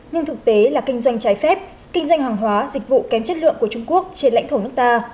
nhưng thực tế là kinh doanh trái phép kinh doanh hàng hóa dịch vụ kém chất lượng của trung quốc trên lãnh thổ nước ta